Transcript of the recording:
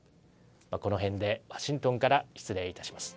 このへんでワシントンから失礼いたします。